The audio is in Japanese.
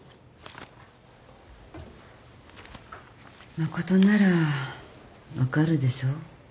誠なら分かるでしょ？